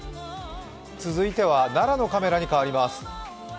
続いては、奈良のカメラに変わります。